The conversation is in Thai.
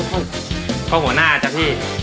ขอหัวหน้าจ๊ะพี่